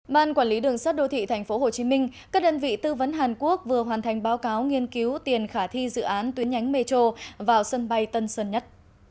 ban quản lý đường sắt đô thị tp hcm các đơn vị tư vấn hàn quốc vừa hoàn thành báo cáo nghiên cứu tiền khả thi dự án tuyến nhánh metro vào sân bay tân sơn nhất